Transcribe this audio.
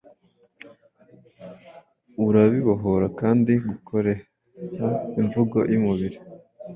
Urabihobora kandi gukoreha imvugo yumubiri